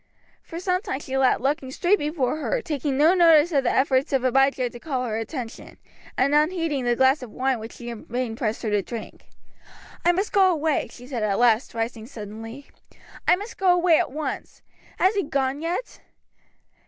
For some time she sat looking straight before her, taking no notice of the efforts of Abijah to call her attention, and unheeding the glass of wine which she in vain pressed her to drink. "I must go away," she said at last, rising suddenly. "I must go away at once. Has he gone yet?"